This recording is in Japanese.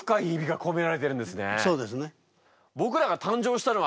そうですね。